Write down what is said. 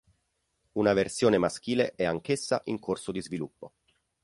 Una versione maschile è anch'essa in corso di sviluppo.